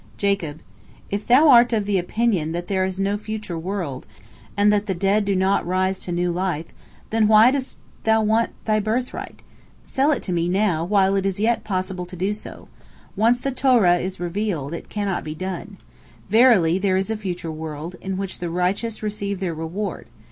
Jacob: "If thou art of opinion that there is no future world, and that the dead do not rise to new life, then why dost thou want thy birthright? Sell it to me, now, while it is yet possible to do so. Once the Torah is revealed, it cannot be done. Verily, there is a future world, in which the righteous receive their reward.